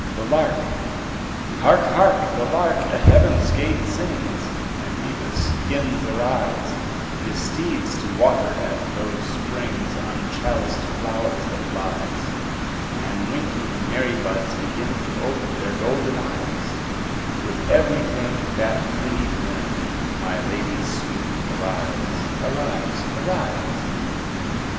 THE LARK Hark! hark! the lark at heaven's gate sings, And Phoebus 'gins arise, His steeds to water at those springs On chaliced flowers that lies; And winking Mary buds begin To ope their golden eyes; With every thing that pretty bin, My lady sweet, arise; Arise, arise.